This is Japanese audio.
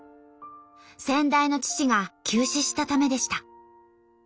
先代の父が急死したためでした。